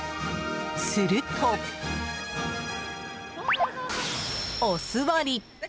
すると、おすわり。